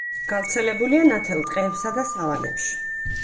გავრცელებულია ნათელ ტყეებსა და სავანებში.